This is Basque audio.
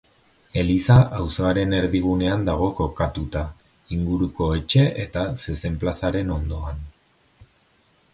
Eliza auzoaren erdigunean dago kokatuta, inguruko etxe eta zezen-plazaren ondoan.